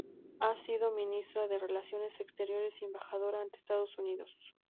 Ha sido Ministra de Relaciones Exteriores y Embajadora ante Estados Unidos.